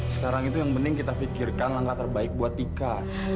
sekarang itu yang penting kita pikirkan langkah terbaik buat tika